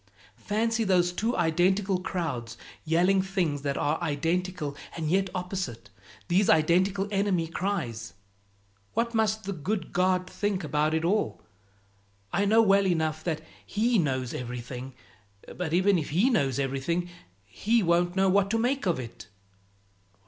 "Fancy those two identical crowds yelling things that are identical and yet opposite, these identical enemy cries! What must the good God think about it all? I know well enough that He knows everything, but even if He knows everything, He won't know what to make of it."